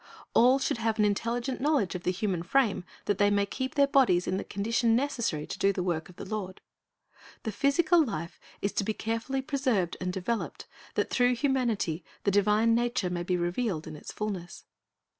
All should have an intelligent knowledge of the human frame, that they may keep their bodies in the condition necessary to do the work of the Lord. The physical life is to be carefully preserved and developed, that through humanity the divine nature may be revealed in its fulness.